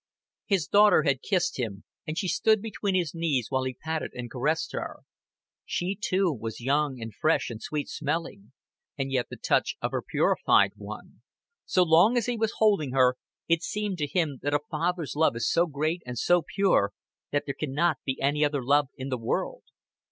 His daughter had kissed him, and she stood between his knees while he patted her and caressed her. She too was young and fresh and sweet smelling; and yet the touch of her purified one. So long as he was holding her, it seemed to him that a father's love is so great and so pure that there can not be any other love in the world.